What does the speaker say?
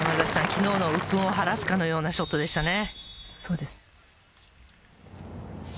きのうのうっぷんを晴らすかのようなショットでしたね。